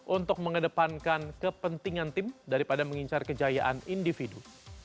untuk mengedepankan kepentingan tim daripada mengincar kejayaan individu